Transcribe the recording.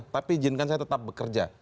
tapi izinkan saya tetap bekerja